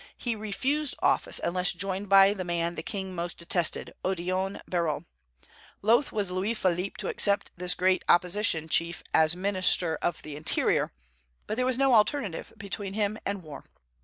He refused office unless joined by the man the king most detested, Odillon Barrot. Loath was Louis Philippe to accept this great opposition chief as minister of the interior, but there was no alternative between him and war.